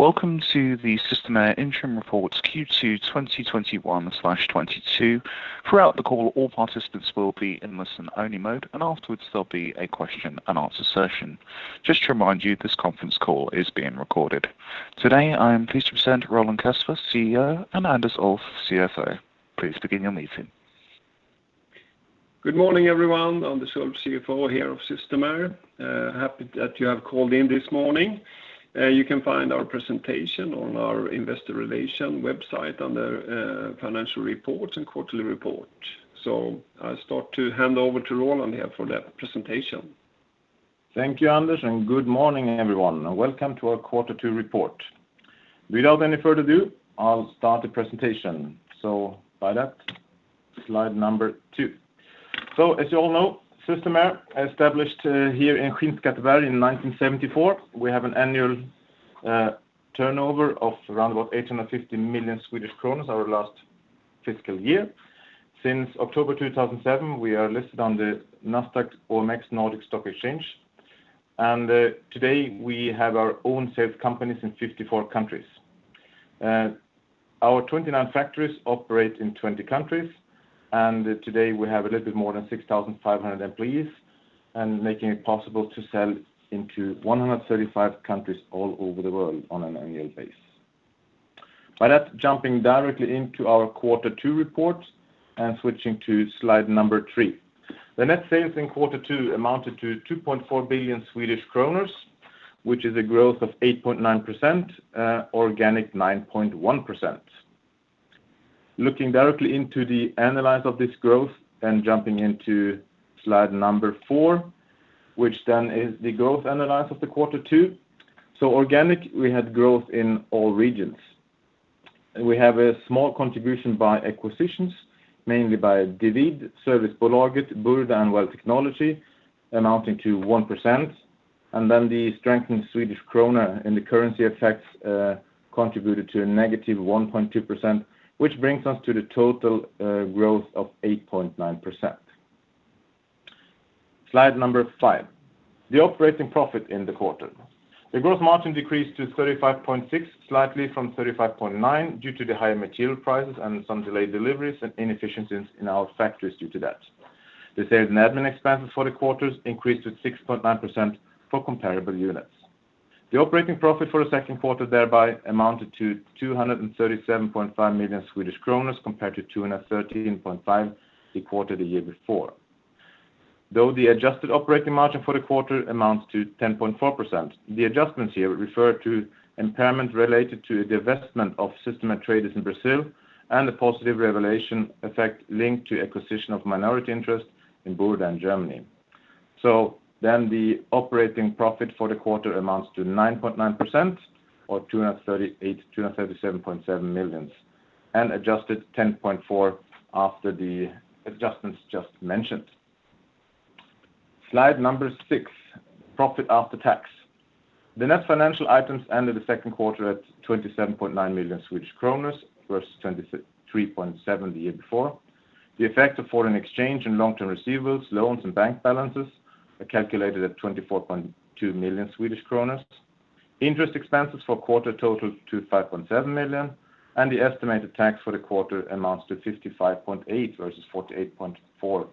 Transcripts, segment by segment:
Welcome to the Systemair Interim Reports Q2 2021/22. Throughout the call, all participants will be in listen-only mode, and afterwards, there'll be a question and answer session. Just to remind you, this conference call is being recorded. Today, I am pleased to present Roland Kasper, CEO, and Anders Ulff, CFO. Please begin your meeting. Good morning, everyone. Anders Ulff, CFO of Systemair. Happy that you have called in this morning. You can find our presentation on our investor relations website under financial reports and quarterly report. I start to hand over to Roland here for that presentation. Thank you, Anders, and good morning, everyone, and welcome to our Quarter Two Report. Without any further ado, I'll start the presentation. By that, slide number 2. As you all know, Systemair established here in Skinnskatteberg in 1974. We have an annual turnover of around about 850 million our last fiscal year. Since October 2007, we are listed on the Nasdaq OMX Nordic Exchange, and today we have our own sales companies in 54 countries. Our 29 factories operate in 20 countries, and today we have a little bit more than 6,500 employees and making it possible to sell into 135 countries all over the world on an annual basis. By that, jumping directly into our Quarter Two Report and switching to slide number 3. The net sales in quarter two amounted to 2.4 billion Swedish kronor, which is a growth of 8.9%, organic 9.1%. Looking directly into the analysis of this growth and jumping into slide number 4, which then is the growth analysis of the quarter two. Organic, we had growth in all regions. We have a small contribution by acquisitions, mainly by Divid Servicebolaget, Burda, and Well Technology amounting to 1%, and then the strengthening Swedish krona, and the currency effects, contributed to a negative 1.2%, which brings us to the total growth of 8.9%. Slide number 5, the operating profit in the quarter. The gross margin decreased to 35.6%, slightly from 35.9% due to the higher material prices and some delayed deliveries and inefficiencies in our factories due to that. The sales and admin expenses for the quarters increased to 6.9% for comparable units. The operating profit for the second quarter thereby amounted to 237.5 million Swedish kronor, compared to 213.5 million the quarter the year before. Though the adjusted operating margin for the quarter amounts to 10.4%, the adjustments here refer to impairment related to the divestment of Systemair Traydus in Brazil and the positive revaluation effect linked to acquisition of minority interest in Burda in Germany. The operating profit for the quarter amounts to 9.9% or 238 million-237.7 million, and adjusted 10.4% after the adjustments just mentioned. Slide number 6, profit after tax. The net financial items ended the second quarter at 27.9 million Swedish kronor versus 23.7 million the year before. The effect of foreign exchange in long-term receivables, loans, and bank balances are calculated at 24.2 million Swedish kronor. Interest expenses for the quarter total to 5.7 million, and the estimated tax for the quarter amounts to 55.8 million versus 48.4 million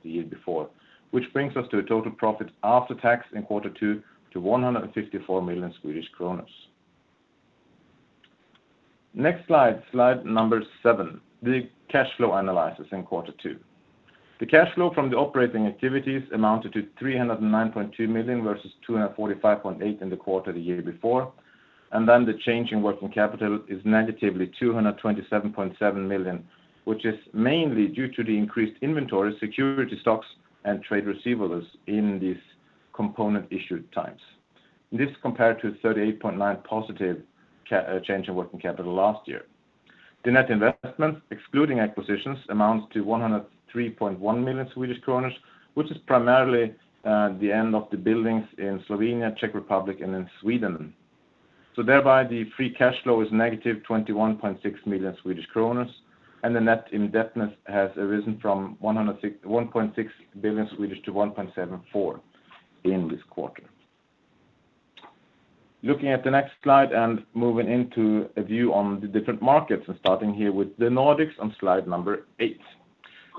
the year before, which brings us to a total profit after tax in quarter Two of 154 million Swedish kronor. Next slide number 7, the cash flow analysis in Quarter Two. The cash flow from the operating activities amounted to 309.2 million versus 245.8 million in the quarter the year before. The change in working capital is -227.7 million, which is mainly due to the increased inventory, safety stocks, and trade receivables in these component issue times. This compared to +38.9 million change in working capital last year. The net investment, excluding acquisitions, amounts to 103.1 million Swedish kronor, which is primarily the expansion of the buildings in Slovenia, Czech Republic, and in Sweden. Thereby, the free cash flow is -21.6 million Swedish kronor, and the net indebtedness has arisen from 1.6 billion to 1.74 billion in this quarter. Looking at the next slide and moving into a view on the different markets and starting here with the Nordics on slide number 8.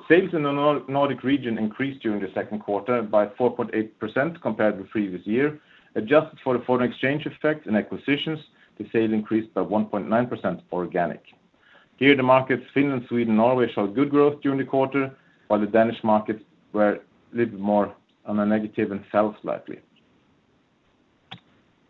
Sales in the Nordic region increased during the second quarter by 4.8% compared with previous year. Adjusted for the foreign exchange effect and acquisitions, the sales increased by 1.9% organic. Here the markets, Finland, Sweden, Norway showed good growth during the quarter, while the Danish markets were a little more on the negative and fell slightly.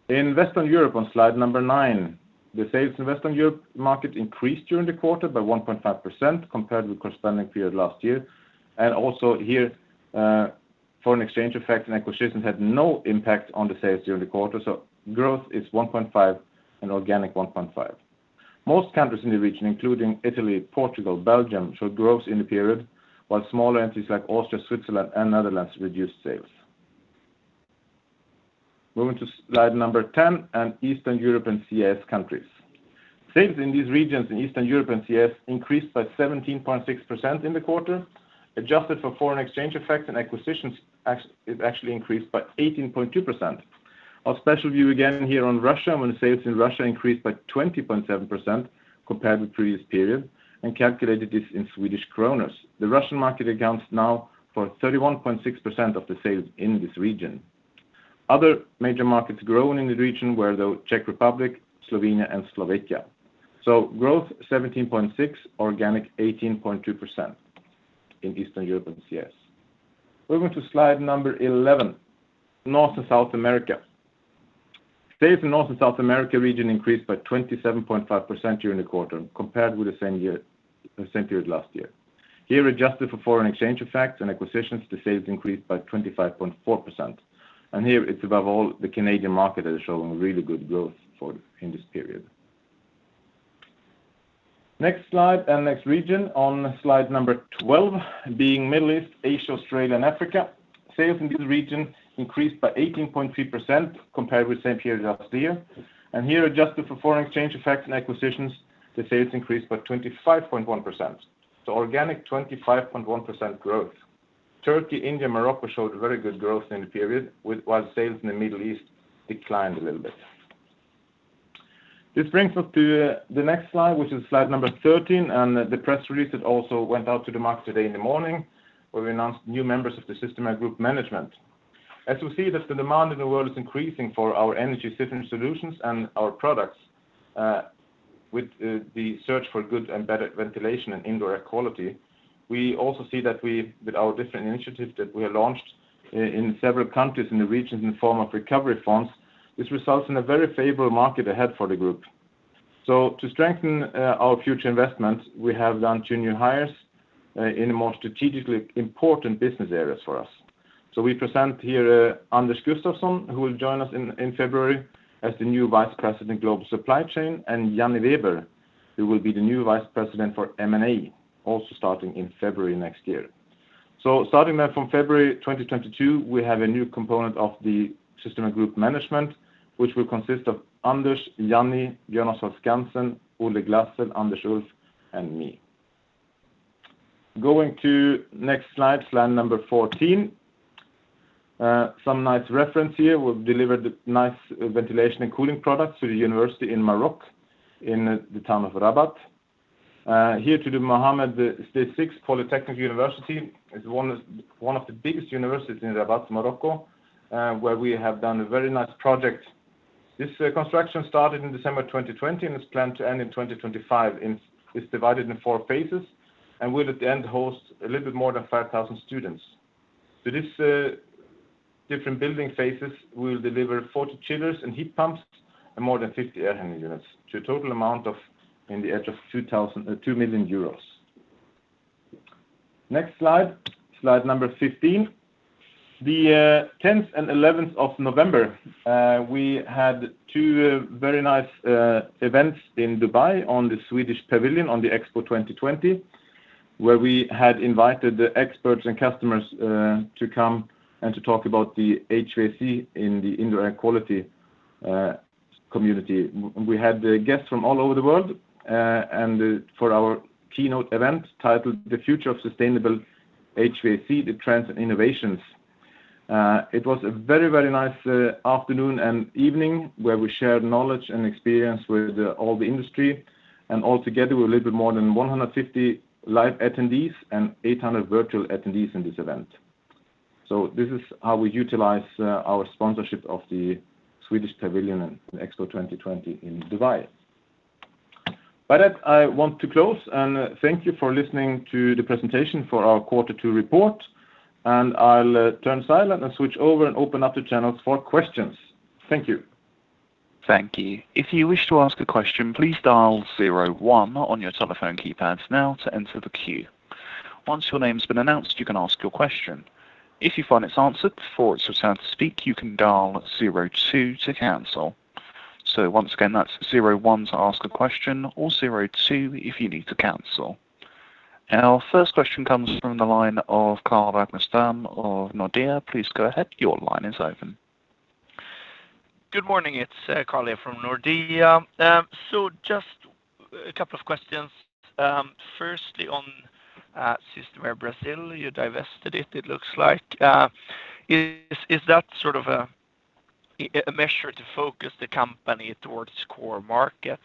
In Western Europe on slide number 9, the sales in Western Europe market increased during the quarter by 1.5% compared with corresponding period last year. Also here, foreign exchange effect and acquisitions had no impact on the sales during the quarter. Growth is 1.5% and organic 1.5%. Most countries in the region, including Italy, Portugal, Belgium, showed growth in the period, while smaller entities like Austria, Switzerland, and Netherlands reduced sales. Moving to slide 10 and Eastern Europe and CIS countries. Sales in these regions in Eastern Europe and CIS increased by 17.6% in the quarter, adjusted for foreign exchange effects and acquisitions, it actually increased by 18.2%. Our special view again here on Russia, when the sales in Russia increased by 20.7% compared with previous period and calculated this in Swedish kronor. The Russian market accounts now for 31.6% of the sales in this region. Other major markets growing in the region were the Czech Republic, Slovenia, and Slovakia. Growth 17.6, organic 18.2% in Eastern Europe and CIS. We're going to slide 11, North and South America. Sales in North and South America region increased by 27.5% during the quarter compared with the same period last year. Here, adjusted for foreign exchange effects and acquisitions, the sales increased by 25.4%. Here it's above all the Canadian market that is showing really good growth in this period. Next slide and next region on slide number 12 being Middle East, Asia, Australia, and Africa. Sales in this region increased by 18.3% compared with the same period last year. Here, adjusted for foreign exchange effects and acquisitions, the sales increased by 25.1%. Organic 25.1% growth. Turkey, India, Morocco showed very good growth in the period while sales in the Middle East declined a little bit. This brings us to the next slide, which is slide number 13, and the press release that also went out to the market today in the morning, where we announced new members of the Systemair Group management. As you see that the demand in the world is increasing for our energy system solutions and our products, with the search for good and better ventilation and indoor air quality, we also see with our different initiatives that we have launched in several countries in the regions in the form of recovery funds, this results in a very favorable market ahead for the group. To strengthen our future investments, we have done two new hires in the most strategically important business areas for us. We present here, Anders Gustafsson, who will join us in February as the new Vice President Global Supply Chain, and Jannie Weber, who will be the new Vice President for M&A, also starting in February next year. Starting then from February 2022, we have a new component of the Systemair Group management, which will consist of Anders, Jannie, Björn Samuelsson, Olle Glasell, Anders Schultz, and me. Going to next slide number 14. Some nice reference here. We've delivered nice ventilation and cooling products to the university in Morocco, in the town of Rabat. Here to the Mohammed VI Polytechnic University. It's one of the biggest universities in Rabat, Morocco, where we have done a very nice project. This construction started in December 2020, and it's planned to end in 2025, and it's divided in 4 phases and will at the end host a little bit more than 5,000 students. To this different building phases, we will deliver 40 chillers and heat pumps and more than 50 air handling units to a total amount of in the order of 2 million euros. Next slide number 15. The 10th and 11th of November, we had two very nice events in Dubai on the Swedish Pavilion on the Expo 2020, where we had invited the experts and customers to come and to talk about the HVAC and indoor air quality community. We had guests from all over the world, and for our keynote event titled The Future of Sustainable HVAC: The Trends and Innovations. It was a very, very nice afternoon and evening where we shared knowledge and experience with all the industry and all together were a little bit more than 150 live attendees and 800 virtual attendees in this event. This is how we utilize our sponsorship of the Swedish Pavilion in Expo 2020 in Dubai. By that, I want to close and thank you for listening to the presentation for our quarter two report, and I'll turn silent and switch over and open up the channels for questions. Thank you. Thank you. If you wish to ask a question, please dial zero one on your telephone keypads now to enter the queue. Once your name's been announced, you can ask your question. If you find it's answered before it's your turn to speak, you can dial zero two to cancel. Once again, that's zero one to ask a question or zero two if you need to cancel. Our first question comes from the line of Karl-Magnus Stam of Nordea. Please go ahead. Your line is open. Good morning. It's Karl from Nordea. So just a couple of questions. Firstly, on Systemair Brazil, you divested it looks like. Is that sort of a measure to focus the company towards core markets?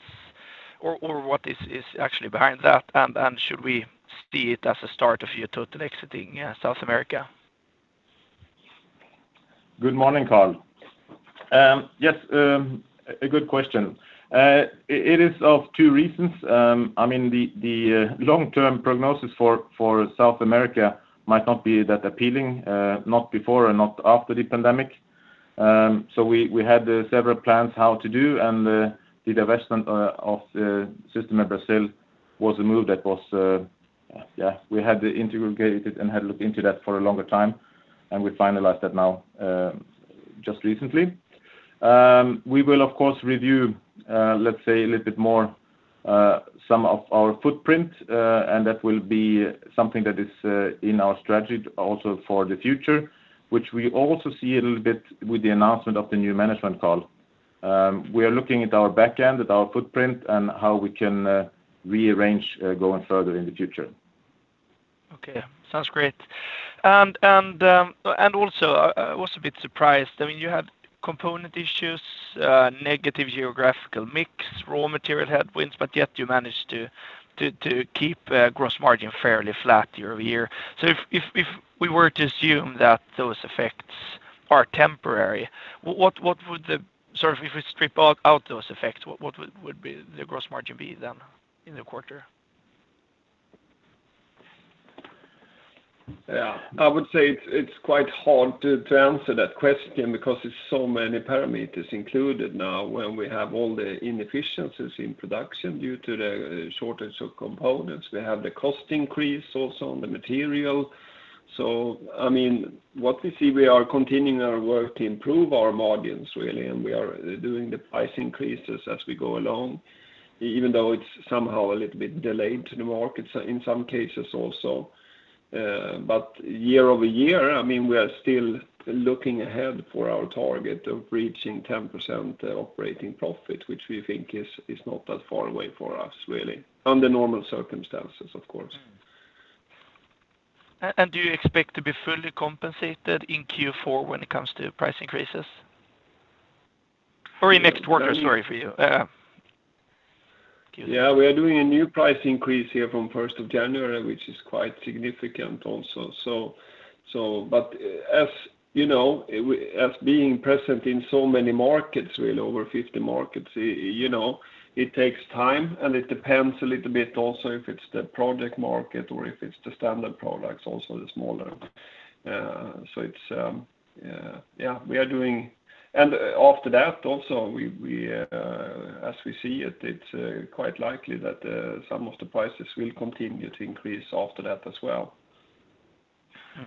Or what is actually behind that? Should we see it as a start of you totally exiting South America? Good morning, Karl. Yes, a good question. It is for two reasons. I mean, the long-term prognosis for South America might not be that appealing, not before and not after the pandemic. We had several plans how to do, and the divestment of Systemair Brazil was a move that we had investigated and had looked into that for a longer time, and we finalized that now, just recently. We will of course review, let's say a little bit more, some of our footprint, and that will be something that is in our strategy also for the future, which we also see a little bit with the announcement of the new management, Karl. We are looking at our back end, at our footprint, and how we can rearrange going further in the future. Okay. Sounds great. Also I was a bit surprised. I mean, you had component issues, negative geographical mix, raw material headwinds, but yet you managed to keep gross margin fairly flat year-over-year. If we strip out those effects, what would the gross margin be then in the quarter? Yeah. I would say it's quite hard to answer that question because there's so many parameters included now when we have all the inefficiencies in production due to the shortage of components. We have the cost increase also on the material. I mean, what we see, we are continuing our work to improve our margins really, and we are doing the price increases as we go along, even though it's somehow a little bit delayed to the market so in some cases also. But year-over-year, I mean, we are still looking ahead for our target of reaching 10% operating profit, which we think is not that far away for us really, under normal circumstances, of course. Do you expect to be fully compensated in Q4 when it comes to price increases? Or in next quarter? Sorry for you. We are doing a new price increase here from first of January, which is quite significant also. But as you know, we as being present in so many markets, really over 50 markets, you know, it takes time, and it depends a little bit also if it's the project market or if it's the standard products, also the smaller. After that also, as we see it's quite likely that some of the prices will continue to increase after that as well.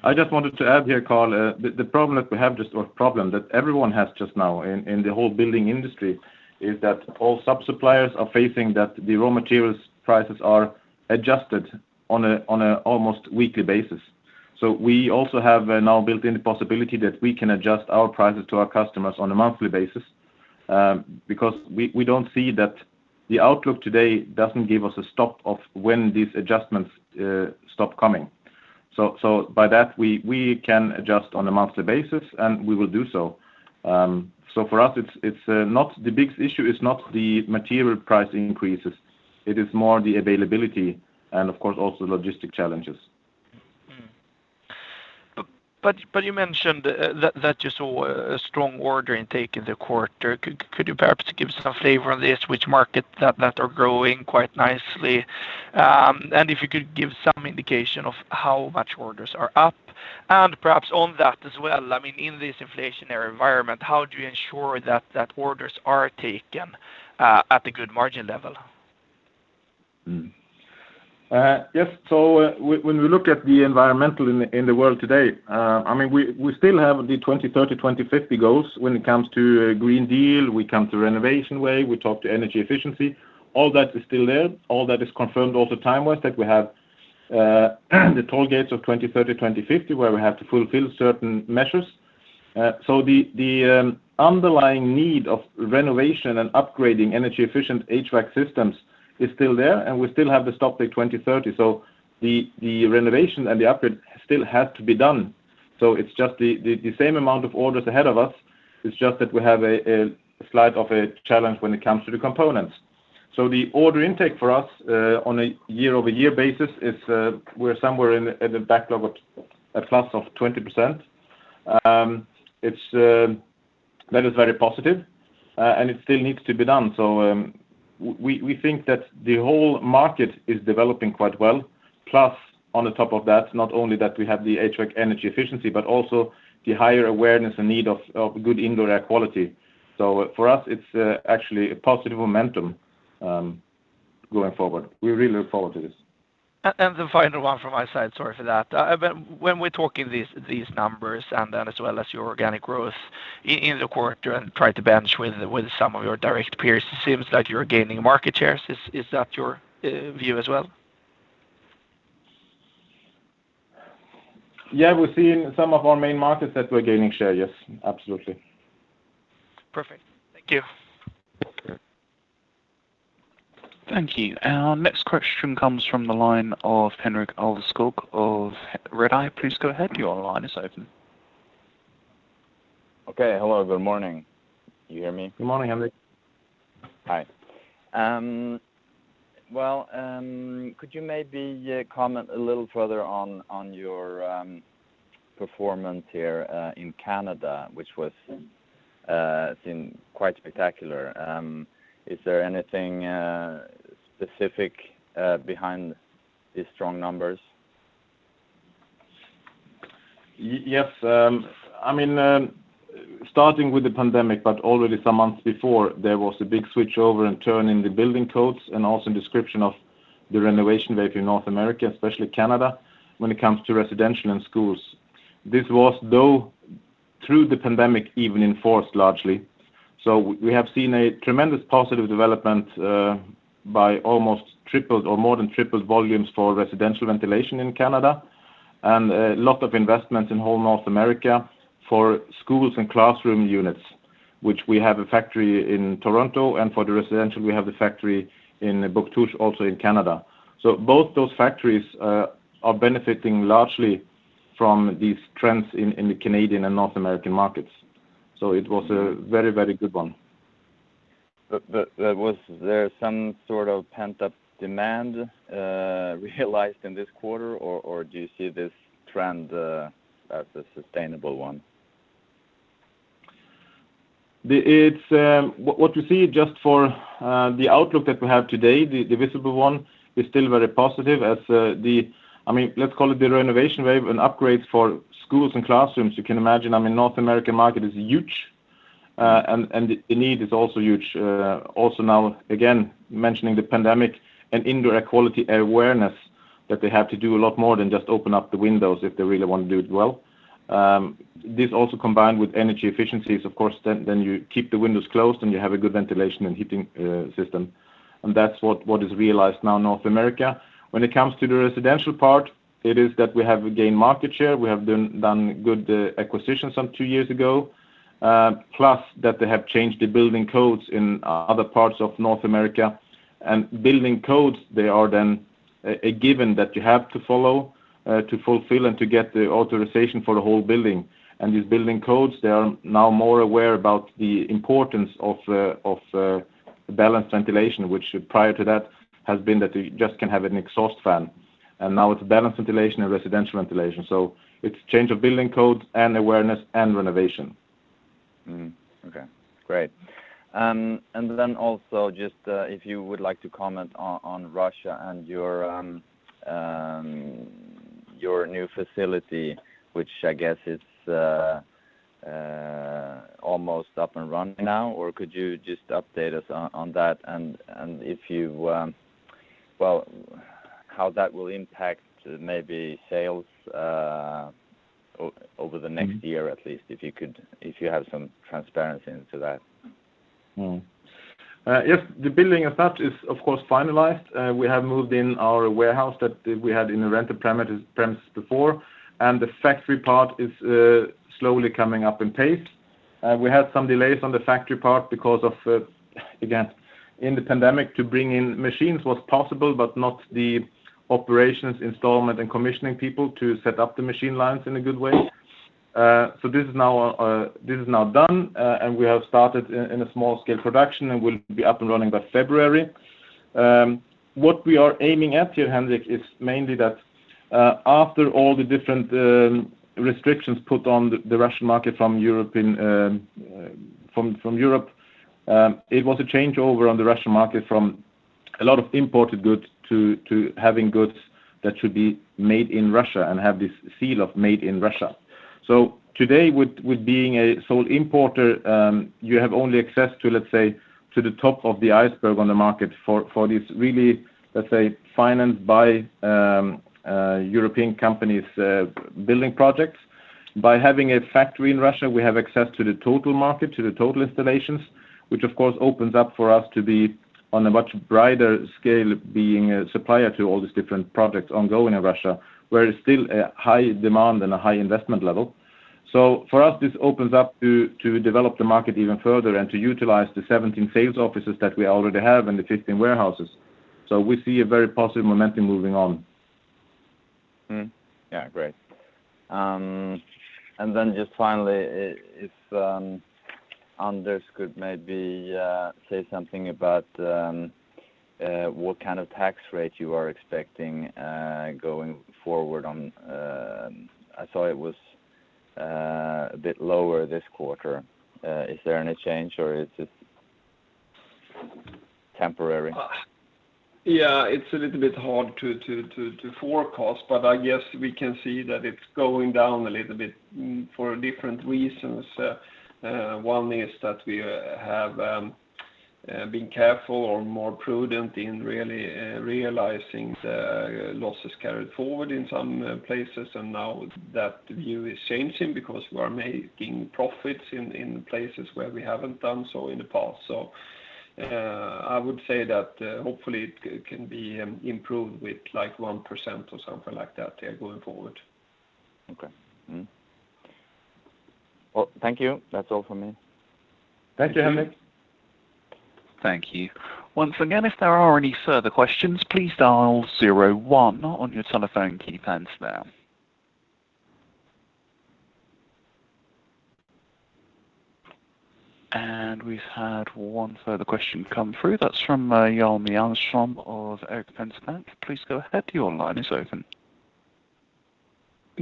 I just wanted to add here, Karl, the problem that we have or the problem that everyone has just now in the whole building industry is that all sub-suppliers are facing that the raw materials prices are adjusted on a almost weekly basis. So we also have now built in the possibility that we can adjust our prices to our customers on a monthly basis, because we don't see that the outlook today doesn't give us a stop of when these adjustments stop coming. So by that, we can adjust on a monthly basis, and we will do so. So for us, it's not the big issue. The material price increases, it is more the availability and of course also logistic challenges. You mentioned that you saw a strong order intake in the quarter. Could you perhaps give some flavor on this, which markets that are growing quite nicely? If you could give some indication of how much orders are up? Perhaps on that as well, I mean, in this inflationary environment, how do you ensure that orders are taken at the good margin level? Yes. When we look at the environment in the world today, I mean, we still have the 2030, 2050 goals when it comes to Green Deal, it comes to Renovation Wave, we talk to energy efficiency, all that is still there. All that is confirmed all the time was that we have the toll gates of 2030, 2050, where we have to fulfill certain measures. The underlying need of renovation and upgrading energy efficient HVAC systems is still there, and we still have the stop date 2030. The renovation and the upgrade still had to be done. It's just the same amount of orders ahead of us, it's just that we have a slight challenge when it comes to the components. The order intake for us on a year-over-year basis is we're somewhere in the backlog of a plus of 20%. It is very positive, and it still needs to be done. We think that the whole market is developing quite well. On top of that, not only that we have the HVAC energy efficiency, but also the higher awareness and need of good indoor air quality. For us, it's actually a positive momentum going forward. We really look forward to this. The final one from my side, sorry for that. When we're talking these numbers and then as well as your organic growth in the quarter and try to benchmark with some of your direct peers, it seems like you're gaining market share. Is that your view as well? Yeah. We're seeing some of our main markets that we're gaining share. Yes. Absolutely. Perfect. Thank you. Okay. Thank you. Our next question comes from the line of Henrik Alveskog of Redeye. Please go ahead. Your line is open. Okay. Hello, good morning. You hear me? Good morning, Henrik. Hi. Well, could you maybe comment a little further on your performance here in Canada, which was seen quite spectacular? Is there anything specific behind these strong numbers? Yes. I mean, starting with the pandemic, but already some months before, there was a big switch over and turn in the building codes and also description of the Renovation Wave in North America, especially Canada, when it comes to residential and schools. This was, though, through the pandemic, even enforced largely. We have seen a tremendous positive development by almost tripled or more than tripled volumes for residential ventilation in Canada, and a lot of investment in whole North America for schools and classroom units, which we have a factory in Toronto, and for the residential, we have the factory in Bouctouche, also in Canada. Both those factories are benefiting largely from these trends in the Canadian and North American markets. It was a very, very good one. Was there some sort of pent-up demand realized in this quarter or do you see this trend as a sustainable one? It's what we see just for the outlook that we have today. The visible one is still very positive as I mean, let's call it the Renovation Wave and upgrades for schools and classrooms. You can imagine, I mean, North American market is huge, and the need is also huge. Also now, again, mentioning the pandemic and indoor air quality awareness that they have to do a lot more than just open up the windows if they really want to do it well. This also combined with energy efficiencies, of course, then you keep the windows closed, and you have a good ventilation and heating system. That's what is realized now in North America. When it comes to the residential part, it is that we have gained market share. We have done good acquisitions some two years ago, plus that they have changed the building codes in other parts of North America. Building codes, they are then a given that you have to follow, to fulfill and to get the authorization for the whole building. These building codes, they are now more aware about the importance of the balanced ventilation, prior to that has been that you just can have an exhaust fan. Now it's balanced ventilation and residential ventilation. It's change of building codes and awareness and renovation. Okay. Great. Also just, if you would like to comment on Russia and your new facility, which I guess is almost up and running now. Or could you just update us on that and, well, how that will impact maybe sales over the next year at least, if you could, if you have some transparency into that. Yes. The building as such is, of course, finalized. We have moved in our warehouse that we had in a rented premise before, and the factory part is slowly coming up in pace. We had some delays on the factory part because of, again, in the pandemic to bring in machines was possible, but not the operations installation and commissioning people to set up the machine lines in a good way. This is now done, and we have started in a small scale production and will be up and running by February. What we are aiming at here, Henrik, is mainly that, after all the different restrictions put on the Russian market from Europe, it was a changeover on the Russian market from a lot of imported goods to having goods that should be made in Russia and have this seal of Made in Russia. Today, with being a sole importer, you have only access to, let's say, to the top of the iceberg on the market for this really, let's say, financed by European companies, building projects. By having a factory in Russia, we have access to the total market, to the total installations, which of course opens up for us to be on a much brighter scale being a supplier to all these different projects ongoing in Russia, where it's still a high demand and a high investment level. For us, this opens up to develop the market even further and to utilize the 17 sales offices that we already have and the 15 warehouses. We see a very positive momentum moving on. Yeah, great. Just finally, if Anders could maybe say something about what kind of tax rate you are expecting going forward on. I saw it was a bit lower this quarter. Is there any change, or is it temporary? Yeah, it's a little bit hard to forecast, but I guess we can see that it's going down a little bit for different reasons. One is that we have been careful or more prudent in really realizing the losses carried forward in some places. Now that view is changing because we're making profits in places where we haven't done so in the past. I would say that hopefully it can be improved with like 1% or something like that, yeah, going forward. Okay. Well, thank you. That's all for me. Thank you, Henrik. Thank you. Once again, if there are any further questions, please dial zero one on your telephone keypads now. We've had one further question come through. That's from Jimmy Engström of Erik Penser Bank. Please go ahead. Your line is open.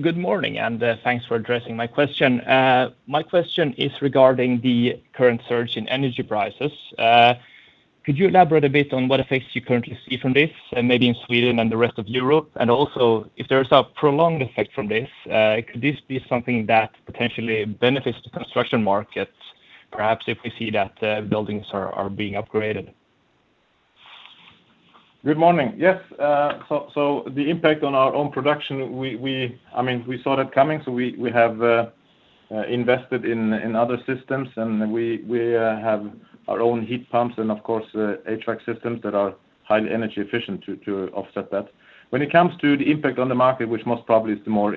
Good morning, thanks for addressing my question. My question is regarding the current surge in energy prices. Could you elaborate a bit on what effects you currently see from this and maybe in Sweden and the rest of Europe? Also, if there's a prolonged effect from this, could this be something that potentially benefits the construction market, perhaps if we see that buildings are being upgraded? Good morning. Yes. So the impact on our own production, I mean, we saw that coming, so we invested in other systems, and we have our own heat pumps and of course, HVAC systems that are highly energy efficient to offset that. When it comes to the impact on the market, which most probably is the more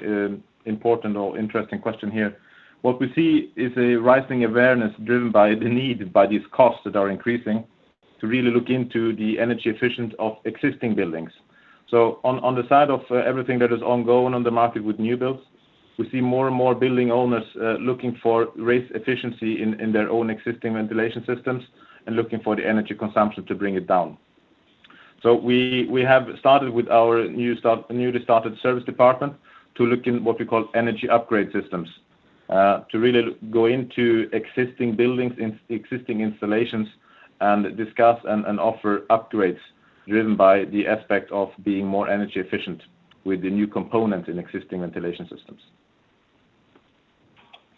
important or interesting question here, what we see is a rising awareness driven by the need, by these costs that are increasing, to really look into the energy efficiency of existing buildings. On the side of everything that is ongoing on the market with new builds, we see more and more building owners looking for greater efficiency in their own existing ventilation systems and looking to bring the energy consumption down. We have started with our newly started service department to look in what we call energy upgrade systems, to really go into existing buildings, existing installations and discuss and offer upgrades driven by the aspect of being more energy efficient with the new component in existing ventilation systems.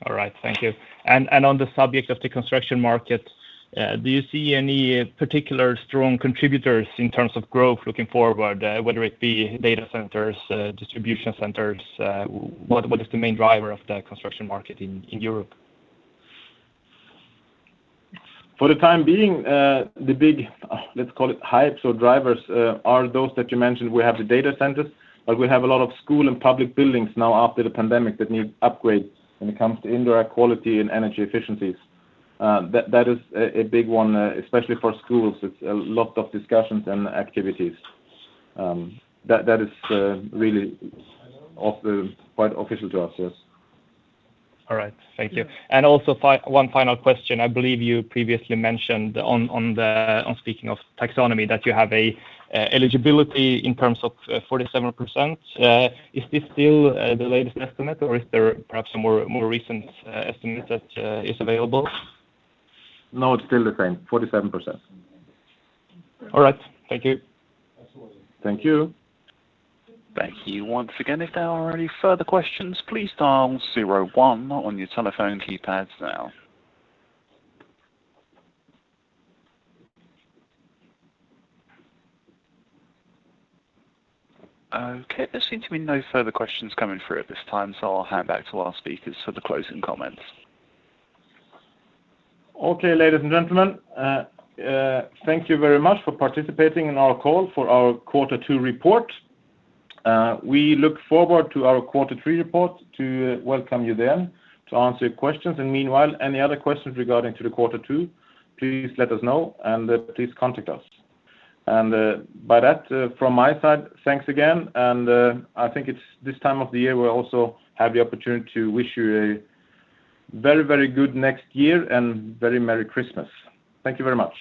All right. Thank you. On the subject of the construction market, do you see any particular strong contributors in terms of growth looking forward, whether it be data centers, distribution centers? What is the main driver of the construction market in Europe? For the time being, the big, let's call it hypes or drivers, are those that you mentioned. We have the data centers, but we have a lot of school and public buildings now after the pandemic that need upgrades when it comes to indoor air quality and energy efficiencies. That is a big one, especially for schools. It's a lot of discussions and activities. That is really quite official to us. Yes. All right. Thank you. Also one final question. I believe you previously mentioned on speaking of Taxonomy that you have a eligibility in terms of 47%. Is this still the latest estimate or is there perhaps a more recent estimate that is available? No, it's still the same, 47%. All right. Thank you. Thank you. Thank you once again. If there are any further questions, please dial zero one on your telephone keypads now. Okay. There seems to be no further questions coming through at this time, so I'll hand back to our speakers for the closing comments. Okay, ladies and gentlemen. Thank you very much for participating in our call for our quarter two report. We look forward to our quarter three report to welcome you then to answer your questions. Meanwhile, any other questions regarding to the quarter two, please let us know and please contact us. By that, from my side, thanks again, and I think it's this time of the year we also have the opportunity to wish you a very, very good next year and very merry Christmas. Thank you very much.